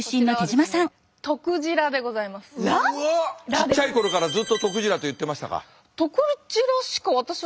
ちっちゃい頃からずっととくじらと言ってましたか？